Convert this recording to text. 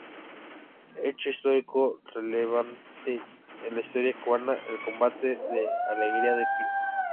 Hecho histórico relevante en la historia cubana: El Combate de Alegría de Pío.